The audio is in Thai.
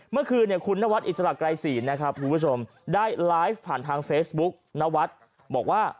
เมื่อคืนคุณนวัดอิสระไกรศรีได้ไลฟ์ผ่านทางเฟสบุ๊คนวัดบอกว่า